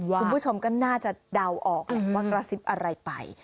คุณผู้ชมก็น่าจะเดาออกแหละว่ากระซิบอะไรไป